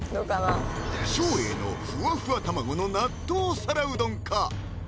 照英のふわふわ卵の納豆皿うどんか？